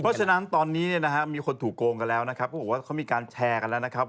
เพราะฉะนั้นตอนนี้มีคนถูกโกงกันแล้วเขามีการแชร์กันแล้ว